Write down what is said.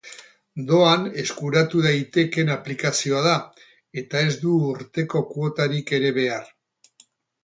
Doan eskuratu daitekeen aplikazioa da, eta ez du urteko kuotarik ere behar.